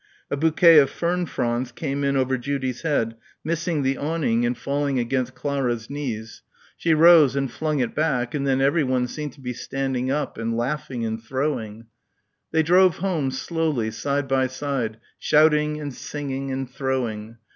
A bouquet of fern fronds came in over Judy's head, missing the awning and falling against Clara's knees. She rose and flung it back and then everyone seemed to be standing up and laughing and throwing. They drove home, slowly, side by side, shouting and singing and throwing.